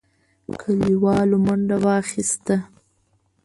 کليوالو منډه واخيسته.